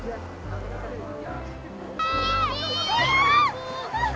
itu dia mak